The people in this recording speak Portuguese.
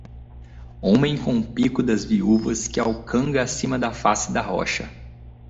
Homem com o pico das viúvas que alcanga acima da face da rocha.